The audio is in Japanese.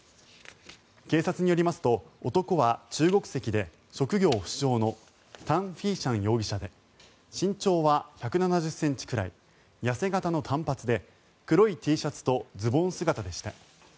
警察によりますと男は中国籍で職業不詳のタン・フィーシャン容疑者で身長は１７０ｃｍくらい痩せ形の短髪で黒いＴシャツとズボン姿でした。